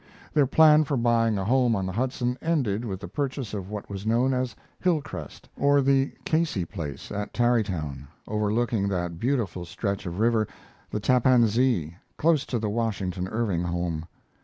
Their plan for buying a home on the Hudson ended with the purchase of what was known as Hillcrest, or the Casey place, at Tarrytown, overlooking that beautiful stretch of river, the Tappan Zee, close to the Washington Irving home.